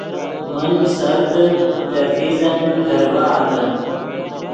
من سردل لے فیزن لرڤآتے